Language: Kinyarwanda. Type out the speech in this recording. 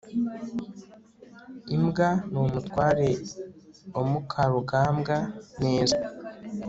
imbwa ni umutware wa mukarugambwa neza